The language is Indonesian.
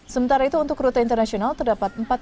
sementara itu untuk rute internasional terdapat empat penerbangan